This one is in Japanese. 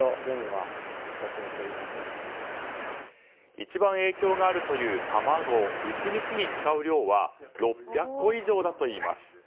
一番影響があるという卵１日に使う量は６００個以上だといいます。